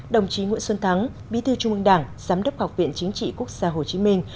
đồng chí nguyễn xuân thắng bí thư trung ương đảng giám đốc học viện chính trị quốc gia hồ chí minh